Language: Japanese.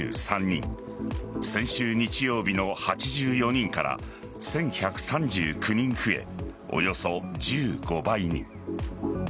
先週日曜日の８４人から１１３９人増えおよそ１５倍に。